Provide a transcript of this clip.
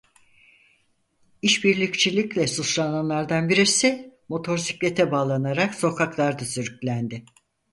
İşbirlikçilikle suçlananlardan birisi motorsiklete bağlanarak sokaklarda sürüklendi.